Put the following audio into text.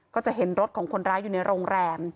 ก็จะเห็นรถของคนร้ายอยู่ในโรงแรม